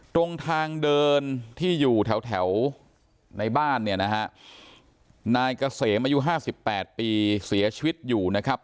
ตรงทางเดินที่อยู่แถวในบ้านเนี่ยนะฮะนายเกษมอายุห้าสิบแปดปีเสียชีวิตอยู่นะครับ